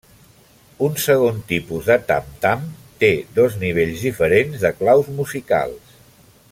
Un segon tipus de tam-tam té dos nivells diferents de claus musicals.